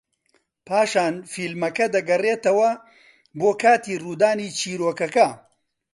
پاشان فیلمەکە دەگەڕێتەوە بۆ کاتی ڕوودانی چیرۆکەکە